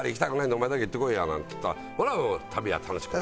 お前だけ行ってこいよなんて言ったら旅は楽しくない。